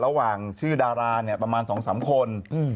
ระหว่างชื่อดาราเนี่ยประมาณ๒๓คน